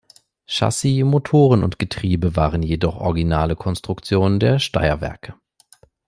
Chassis, Motoren und Getriebe waren jedoch originale Konstruktionen der Steyrwerke.